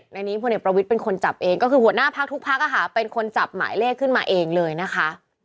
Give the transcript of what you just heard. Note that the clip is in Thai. ในนี้พลเอกประวิทย์เป็นคนจับเองก็คือหัวหน้าพักทุกพักเป็นคนจับหมายเลขขึ้นมาเองเลยนะคะ